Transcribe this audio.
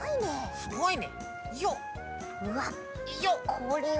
すごいね。